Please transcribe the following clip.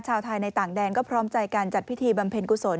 ชาวไทยในต่างแดนก็พร้อมใจการจัดพิธีบำเพ็ญกุศล